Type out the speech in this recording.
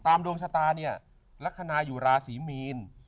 ดวงชะตาเนี่ยลักษณะอยู่ราศีมีน